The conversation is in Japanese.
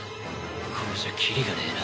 これじゃキリがねえな。